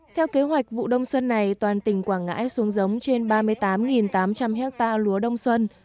theo kế hoạch vụ đông xuân này toàn tỉnh quảng ngãi xuống giống trên ba mươi tám tám trăm linh hectare lúa đông xuân